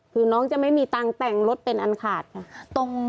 คือน้องจะไม่มีตังค์แต่งรถเป็นอันขาดค่ะ